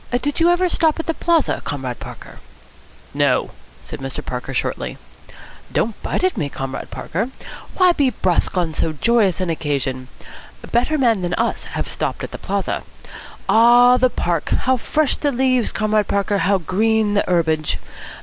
"Did you ever stop at the Plaza, Comrade Parker?" "No," said Mr. Parker shortly. "Don't bite at me, Comrade Parker. Why be brusque on so joyous an occasion? Better men than us have stopped at the Plaza. Ah, the Park! How fresh the leaves, Comrade Parker, how green the herbage!